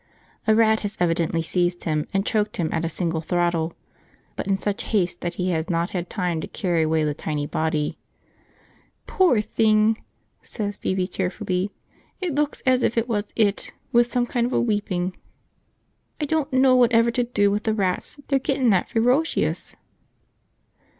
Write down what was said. A rat has evidently seized him and choked him at a single throttle, but in such haste that he has not had time to carry away the tiny body. "Poor think!" says Phoebe tearfully; "it looks as if it was 'it with some kind of a wepping. I don't know whatever to do with the rats, they're gettin' that fearocious!"